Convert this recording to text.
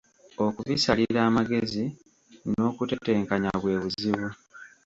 Okubisalira amagezi n'okutetenkanya bwe buzibu..